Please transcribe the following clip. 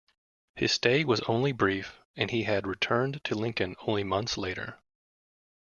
His stay was only brief and he had returned to Lincoln only months later.